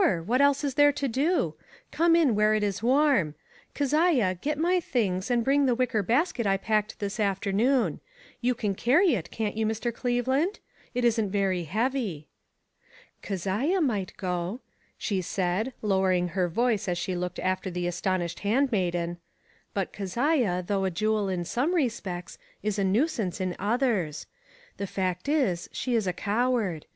What else is there to do? Come in where it is warm. Keziah, gel my things, and bring the wicker basket I packed this afternoon. You can carry it, can't you, Mr. Cleveland? It isn't very heavy. " Keziah might go," she said, lowering her voice as she looked after the astonished handmaiden ;" but Keziah, though a jewel in some respects, is a nuisance in others. The fact is, she is a coward.